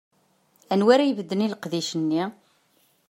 Anwa ara ibedden i leqdic-nni?